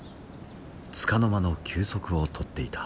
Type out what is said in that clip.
つかの間の休息を取っていた。